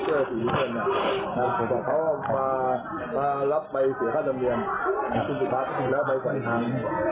เอารูภาพให้เห็น